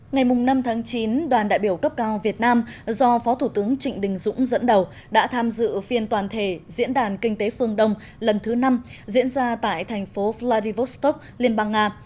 ngày năm tháng chín đoàn đại biểu cấp cao việt nam do phó thủ tướng trịnh đình dũng dẫn đầu đã tham dự phiên toàn thể diễn đàn kinh tế phương đông lần thứ năm diễn ra tại thành phố vladivostok liên bang nga